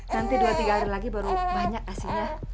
nanti dua tiga hari lagi baru banyak hasilnya